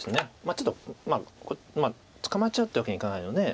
ちょっとまあ捕まっちゃうってわけにはいかないので。